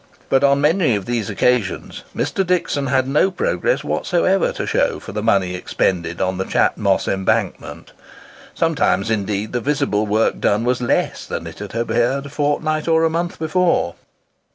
But on many of these occasions, Mr. Dixon had no progress whatever to show for the money expended on the Chat Moss embankment. Sometimes, indeed, the visible work done was less than it had appeared a fortnight or a month before!